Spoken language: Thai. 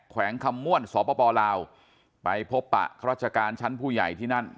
แขวงคำม่วนสปลาวไปพบปะข้าราชการชั้นผู้ใหญ่ที่นั่น